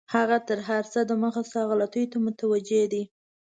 هغه تر هر څه دمخه ستا غلطیو ته متوجه دی.